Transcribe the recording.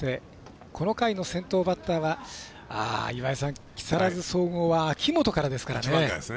この回の先頭バッターは岩井さん、木更津総合は秋元からですね。